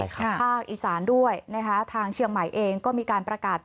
ภาคอีสานด้วยนะคะทางเชียงใหม่เองก็มีการประกาศ